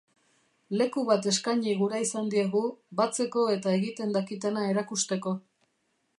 leku bat eskaini gura izan diegu, batzeko eta egiten dakitena erakusteko